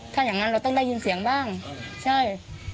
ถ้าอย่างนั้นเราต้องได้ยินเสียงบ้างใช่